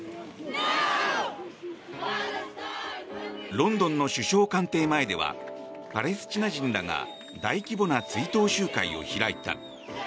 ロンドンの首相官邸前ではパレスチナ人らが大規模な追悼集会を開いた。